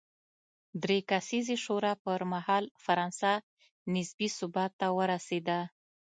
درې کسیزې شورا پر مهال فرانسه نسبي ثبات ته ورسېده.